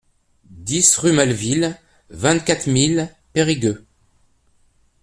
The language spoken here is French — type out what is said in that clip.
dix rue Maleville, vingt-quatre mille Périgueux